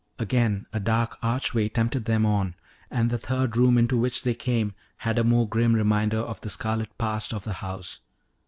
Again a dark archway tempted them on, and the third room into which they came had a more grim reminder of the scarlet past of the house.